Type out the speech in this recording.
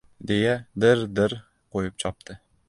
deya, dirr-dirr qo‘yib chopdi.